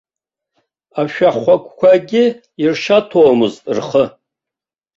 Ашәахәақәагьы иршаҭомызт рхы.